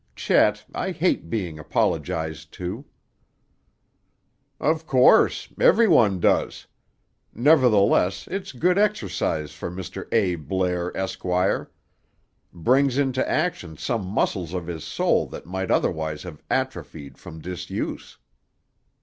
Chet, I hate being apologized to." "Of course. Every one does. Nevertheless, it's good exercise for Mr. A. Blair, Esquire. Brings into action some muscles of his soul that might otherwise have atrophied from disuse."